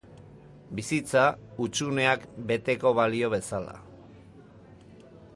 Bizitza, hutsuneak beteko balio bezala.